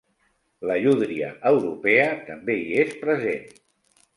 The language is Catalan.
La llúdria europea també hi és present.